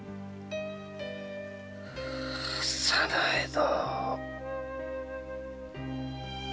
早苗殿！